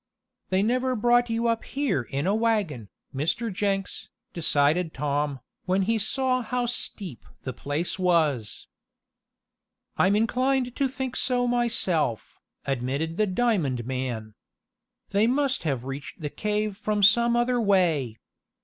"They never brought you up here in a wagon, Mr. Jenks," decided Tom, when he saw how steep the place was. "I'm inclined to think so myself," admitted the diamond man. "They must have reached the cave from some other way.